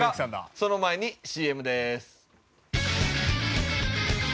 その前にＣＭです。